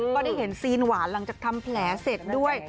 ก็ได้เห็นซีนหวานหลังจากทำแผลเสร็จด้วย